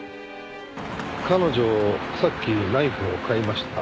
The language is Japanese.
彼女さっきナイフを買いました。